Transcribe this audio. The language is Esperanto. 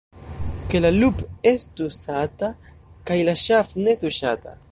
Ke la lup' estu sata, kaj la ŝaf' ne tuŝata.